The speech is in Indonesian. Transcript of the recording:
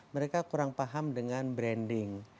mereka kurang paham dengan branding